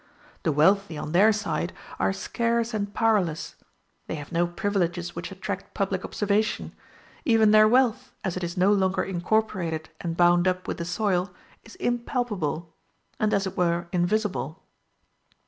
The wealthy, on their side, are scarce and powerless; they have no privileges which attract public observation; even their wealth, as it is no longer incorporated and bound up with the soil, is impalpable, and as it were invisible.